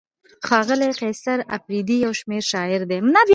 ښاغلی قیصر اپریدی یو شمېر شاعر دی.